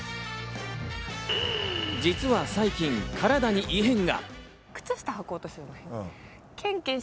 実は最近、体に異変が。